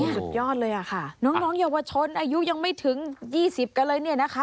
สุดยอดเลยอะค่ะน้องเยาวชนอายุยังไม่ถึง๒๐กันเลยเนี่ยนะคะ